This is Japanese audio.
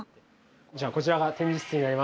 じゃあこちらが展示室になります。